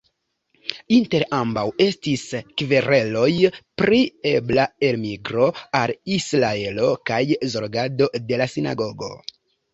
Inter ambaŭ estis kvereloj pri ebla elmigro al Israelo kaj zorgado de la sinagogo.